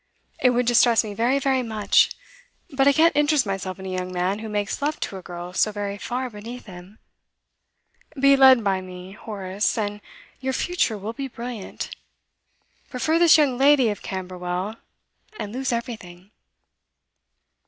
It would distress me very, very much; but I can't interest myself in a young man who makes love to a girl so very far beneath him. Be led by me, Horace, and your future will be brilliant. Prefer this young lady of Camberwell, and lose everything.